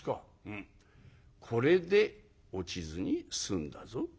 「うん。これで落ちずに済んだぞ。